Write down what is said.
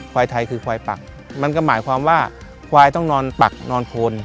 ควายไทยคือควายปักมันก็หมายความว่าควายต้องนอนปักนอนโคน